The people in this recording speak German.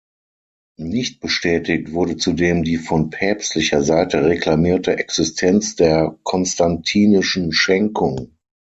Nicht bestätigt wurde zudem die von päpstlicher Seite reklamierte Existenz der Konstantinischen Schenkung.